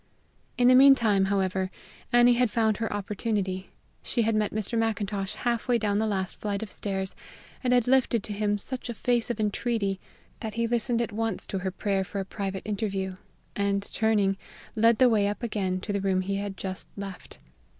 In the meantime, however, Annie had found her opportunity. She had met Mr. Macintosh halfway down the last flight of stairs, and had lifted to him such a face of entreaty that he listened at once to her prayer for a private interview, and, turning, led the way up again to the room he had just left.